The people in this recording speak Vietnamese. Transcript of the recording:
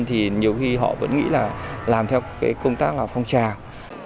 thì nhiều khi họ vẫn nghĩ là làm theo công tác là phong tràng